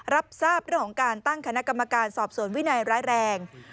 รับทราบเรื่องของการตั้งคณะกรรมการสอบสวนวินัยร้ายแรง